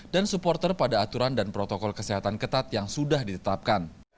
dan supporter pada aturan dan protokol kesehatan ketat yang sudah ditetapkan